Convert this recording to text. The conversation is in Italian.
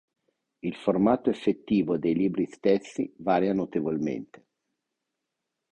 Il formato effettivo dei libri stessi varia notevolmente.